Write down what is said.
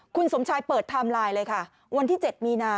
คุณสมชายเปิดไทม์ไลน์เลยค่ะวันที่๗มีนา